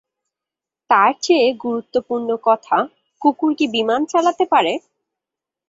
তার চেয়ে গুরুত্বপূর্ণ কথা, কুকুর কি বিমান চালাতে পারে?